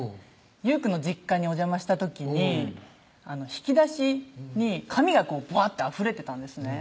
雄くんの実家にお邪魔した時に引き出しに紙がブワッてあふれてたんですね